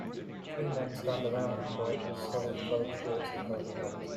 Three men stand around in bright solid colored shirts and colorful hats.